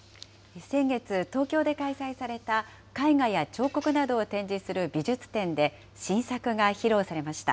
先月、東京で開催された絵画や彫刻などを展示する美術展で、新作が披露されました。